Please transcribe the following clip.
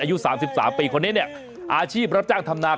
อายุ๓๓ปีคนนี้อาชีพรับการทำนะ